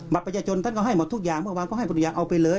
ประชาชนท่านก็ให้หมดทุกอย่างเมื่อวานก็ให้ภรรยาเอาไปเลย